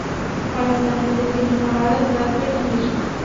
افغانستان کې د کلي په اړه زده کړه کېږي.